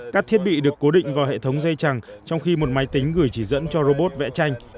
các thiết bị được cố định vào hệ thống dây chẳng trong khi một máy tính gửi chỉ dẫn cho robot vẽ tranh